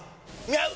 合う！！